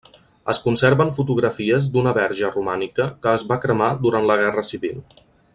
Es conserven fotografies d’una Verge romànica que es va cremar durant la Guerra Civil.